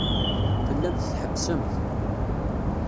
Tellamt tḥebbsemt.